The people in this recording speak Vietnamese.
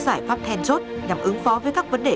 giải pháp then chốt nhằm ứng phó với các vấn đề